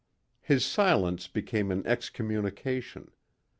His silence became an excommunication.